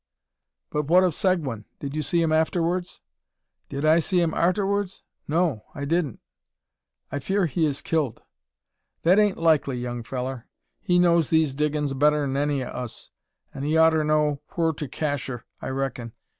"But what of Seguin? Did you see him afterwards?" "Did I see him arterwards? No; I didn't." "I fear he is killed." "That ain't likely, young fellur. He knows these diggin's better'n any o' us; an' he oughter know whur to cacher, I reckin.